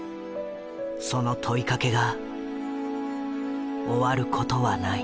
その問いかけが終わることはない。